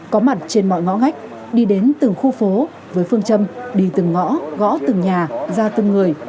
có mặt trên mọi ngóc đi đến từng khu phố với phương châm đi từng ngõ gõ từng nhà ra từng người